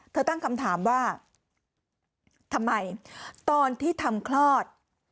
ตั้งคำถามว่าทำไมตอนที่ทำคลอด